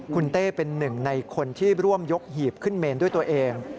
คุณเต้เป็นหนึ่งในคนที่ร่วมยกหีบขึ้นเมนด้วยตัวเอง